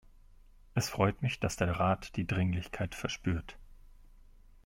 Es freut mich, dass der Rat die Dringlichkeit verspürt.